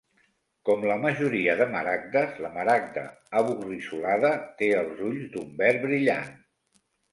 Com la majoria de maragdes, la maragda aborrissolada té els ulls d'un verd brillant.